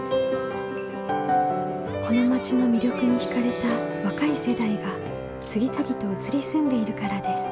この町の魅力に惹かれた若い世代が次々と移り住んでいるからです。